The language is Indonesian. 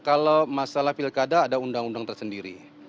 kalau masalah pilkada ada undang undang tersendiri